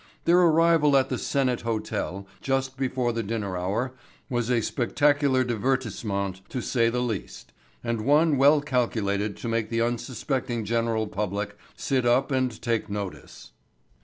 Their arrival at the Senate Hotel just before the dinner hour was a spectacular divertissement, to say the least, and one well calculated to make the unsuspecting general public sit up and take notice.